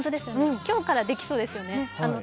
今日からできそうですよね。